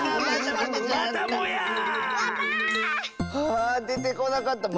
あでてこなかった！